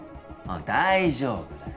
うん大丈夫だよ。